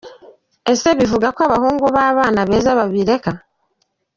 Ese bivuga ko abahungu b'abana beza babireka?.